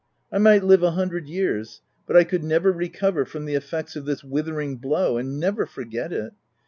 I might live a hundred years, but I could never recover from OF WILDFELL HALL. 265 the effects of this withering blow— and never forget it